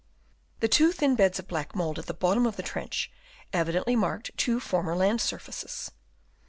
The two thin beds of black mould at the bottom of the trench evidently marked two former land surfaces.